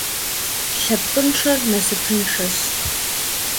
Лъэпкъыншэр насыпыншэщ.